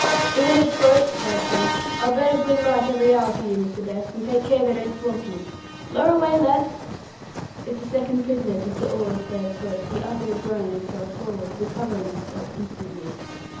"Two in each boat!" cries Blunt. "I'll burn a blue light every hour for you, Mr. Best; and take care they don't swamp you. Lower away, lads!" As the second prisoner took the oar of Frere's boat, he uttered a groan and fell forward, recovering himself instantly.